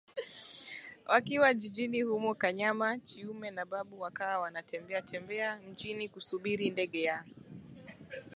Wakiwa jijini humo Kanyama Chiume na Babu wakawa wanatembea tembea mjini kusubiri ndege ya